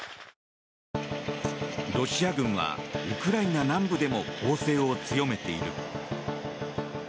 ロシア軍はウクライナ南部でも攻勢を強めている。